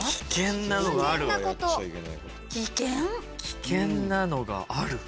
危険なのがある？